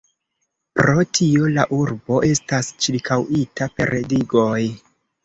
Pro tio la urbo estas ĉirkaŭita per digoj.